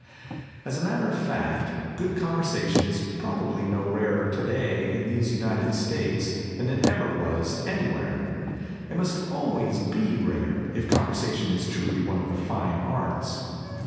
As a matter of fact good conversation is probably no rarer today and in these United States than it ever was anywhere. It must always be rare, if conversation is truly one of the fine arts.